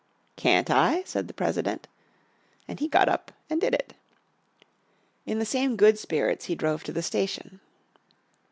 "Can't I?" said the President. And he got up and did it. In the same good spirits he drove to the station.